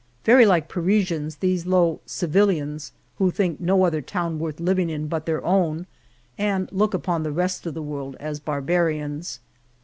Very like Parisians, these low Sevilians, who think no other town worth living in but their own, and look upon the rest of the world as barbarians.